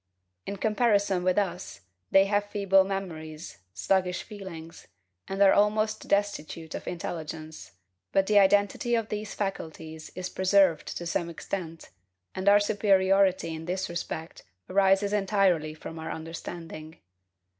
In comparison with us, they have feeble memories, sluggish feelings, and are almost destitute of intelligence; but the identity of these faculties is preserved to some extent, and our superiority in this respect arises entirely from our understanding.